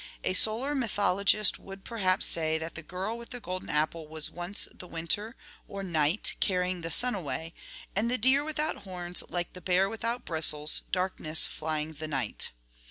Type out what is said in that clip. A solar mythologist would perhaps say that the girl with the golden apple was once the win ter, or night, carrying the sun away, and the deer without horns, like the boar without bristles, darkness flying the night.